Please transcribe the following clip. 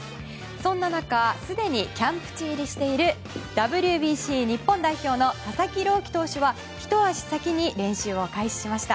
そんな中、すでにキャンプ地入りしているＷＢＣ日本代表の佐々木朗希投手は、ひと足先に練習を開始しました。